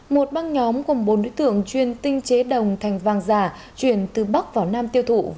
một băng nhóm gồm bốn đối tượng chuyên tinh chế đồng thành vàng giả chuyển từ bắc vào nam tiêu thụ